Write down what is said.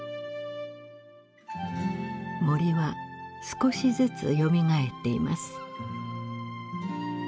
森は少しずつよみがえっています。